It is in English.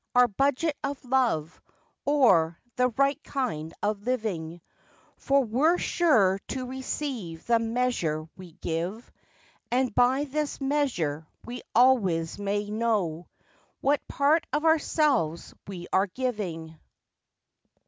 Our budget of love, or the right kind of living, For we're sure to receive the measure we give, And by this measure we always may know, What part of ourselves we are giving.